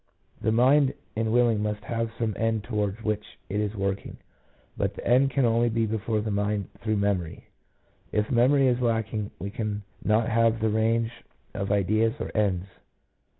The mind in willing must have some end toward which it is working , but the end can be only before the mind through memory. If memory is lacking: we cannot have the ran°;e of ideals or ends.